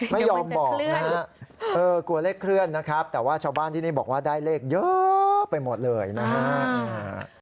ไม่ยอมบอกนะฮะเออกลัวเลขเคลื่อนนะครับแต่ว่าชาวบ้านที่นี่บอกว่าได้เลขเยอะไปหมดเลยนะฮะ